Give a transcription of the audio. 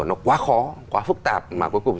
nó quá khó quá phức tạp mà cuối cùng